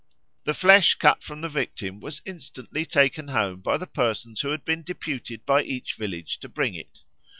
The flesh cut from the victim was instantly taken home by the persons who had been deputed by each village to bring it.